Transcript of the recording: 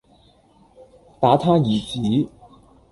打他兒子，